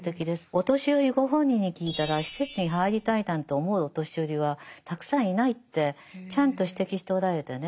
お年寄りご本人に聞いたら施設に入りたいなんて思うお年寄りはたくさんいないってちゃんと指摘しておられてね。